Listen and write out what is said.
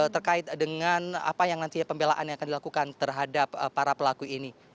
terkait dengan apa yang nantinya pembelaan yang akan dilakukan terhadap para pelaku ini